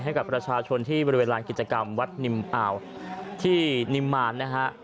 ให้กับประชาชนที่บริเวณลานกิจกรรมวัดนิมอ่าวที่นิมมารนะฮะ